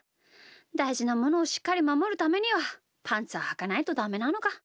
だいじなものをしっかりまもるためにはパンツははかないとダメなのか。